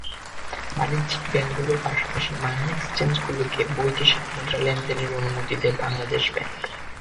বাণিজ্যিক ব্যাংকগুলোর পাশাপাশি মানি এক্সচেঞ্জগুলোকে বৈদেশিক মুদ্রা লেনদেনের অনুমতি দেয় বাংলাদেশ ব্যাংক।